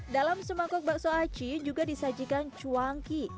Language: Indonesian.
dalam semangkok bakso aci juga disajikan cuangki